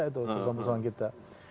jadi persoalan persoalan kita itu